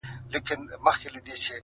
او خپرېږي-